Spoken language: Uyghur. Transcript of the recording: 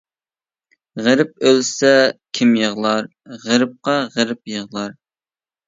غېرىب ئۆلسە كىم يىغلار، غېرىبقا غېرىب يىغلار.